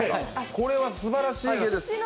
これはすばらしい芸です。